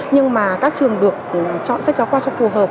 nhưng mà các trường được chọn sách giáo khoa cho phù hợp